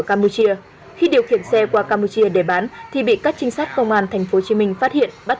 campuchia khi điều khiển xe qua campuchia để bán thì bị các trinh sát công an tp hcm phát hiện bắt